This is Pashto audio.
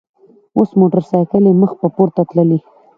او موټر ساېکلې مخ پۀ پورته تللې ـ